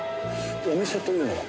お店というのは？